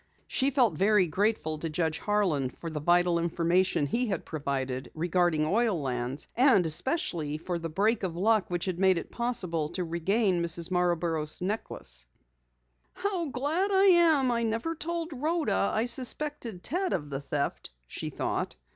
She felt very grateful to Judge Harlan for the vital information he had provided regarding oil lands, and especially for the "break" of luck which had made it possible to regain Mrs. Marborough's necklace. "How glad I am that I never told Rhoda I suspected Ted of the theft," she thought.